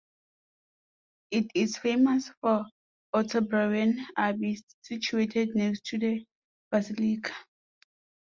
It is famous for Ottobeuren Abbey, situated next to the Basilica.